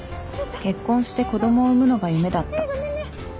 結婚して子供を産むのが夢だった